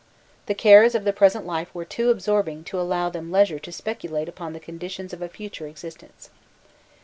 The cares of the present life were too absorbing to allow them leisure to speculate upon the conditions of a future existence.